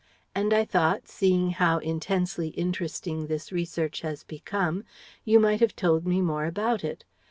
And I thought, seeing how intensely interesting this research has become, you might have told me more about it.